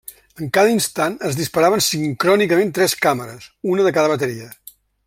En cada instant es disparaven sincrònicament tres càmeres, una de cada bateria.